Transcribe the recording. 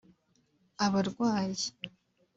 abarwayi